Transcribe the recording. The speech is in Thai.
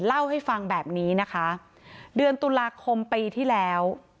เล่าให้ฟังแบบนี้นะคะเดือนตุลาคมปีที่แล้ว